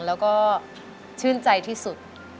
แล้วก็ชื่นใจที่สุด